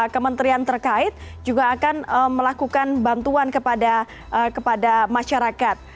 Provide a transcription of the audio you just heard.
kementerian terkait juga akan melakukan bantuan kepada masyarakat